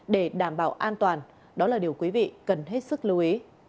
để đảm bảo an toàn đó là điều quý vị cần hết sức lưu ý